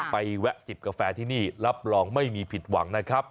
แวะจิบกาแฟที่นี่รับรองไม่มีผิดหวังนะครับ